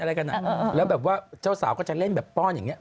แล้วแบบว่าเจ้าสาวก็จะเล่นแบบป้อนอย่างนี้